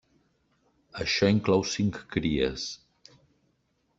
Això inclou cinc cries.